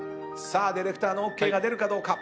ディレクターのＯＫが出るかどうか。